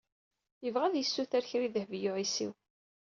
Yebɣa ad yessuter kra i Dehbiya u Ɛisiw.